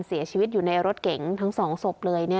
เสียชีวิตอยู่ในรถเก๋งทั้ง๒ศพเลย